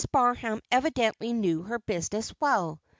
Barham evidently knew her business well.